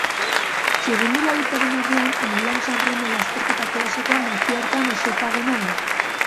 Txirrindularitzaren arloan, Milan-San Remo lasterketa klasikoa nazioartean oso ezaguna da.